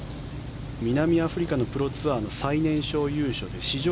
南アフリカのプロツアーの最年少優勝で史上